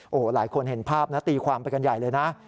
โอ้โหหลายคนเห็นภาพนะตีความไปกันใหญ่เลยนะ